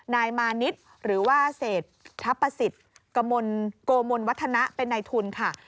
นายมาณิษฐ์หรือว่าเศรษฐภสิตกโมนวัฒนะเป็นนายทุนค่ะ